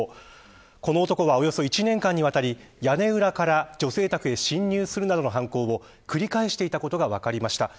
この男は、およそ１年間にわたり屋根裏から女性宅に侵入するなどの犯行を繰り返していたことが分かりました。